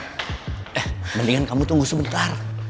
eh mendingan kamu tunggu sebentar